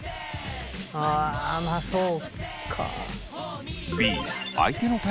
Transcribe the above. あまあそうか。